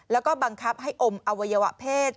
แล้วก็บังคับให้อมอวัยวะเพศ